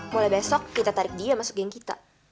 mulai besok kita tarik dia masuk geng kita